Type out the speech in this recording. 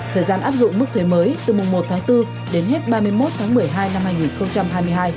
thời gian áp dụng mức thuê mới từ mùng một tháng bốn đến hết ba mươi một tháng một mươi hai năm hai nghìn hai mươi hai